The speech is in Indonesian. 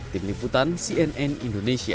tim liputan cnn indonesia